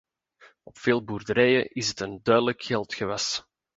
Op veel boerderijen is het een duidelijk geldgewas.